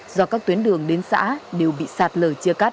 do các tuyến đường đến xã đều bị sạt lở